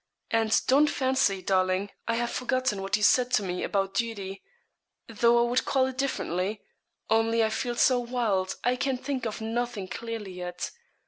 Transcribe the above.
And don't fancy, darling, I have forgotten what you said to me about duty though I would call it differently only I feel so wild, I can think of nothing clearly yet.